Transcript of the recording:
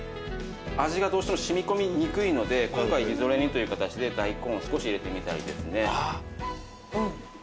味がどうしても染み込みにくいので今回みぞれ煮という形で大根を少し入れてみたりですね。